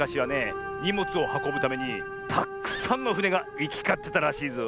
にもつをはこぶためにたっくさんのふねがいきかってたらしいぞ。